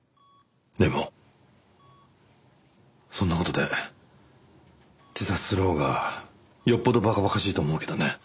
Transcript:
でもそんな事で自殺するほうがよっぽど馬鹿馬鹿しいと思うけどね。